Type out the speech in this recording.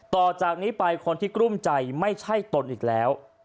ต่อจากนี้ไปคนที่กลุ้มใจไม่ใช่ตนอีกแล้ว